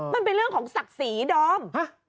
มันเป็นเรื่องของศักดิ์ศรีดอม